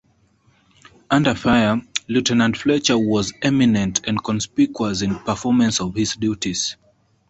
Under fire, Lieutenant Fletcher was eminent and conspicuous in performance of his duties.